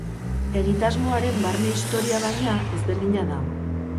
Egitasmo haren barne historia, baina, ezberdina da.